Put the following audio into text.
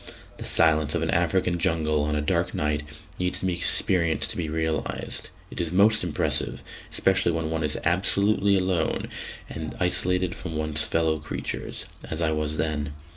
The silence of an African jungle on a dark night needs to be experienced to be realised; it is most impressive, especially when one is absolutely alone and isolated from one's fellow creatures, as I was then.